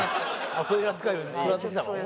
あっそういう扱いを食らってきたの？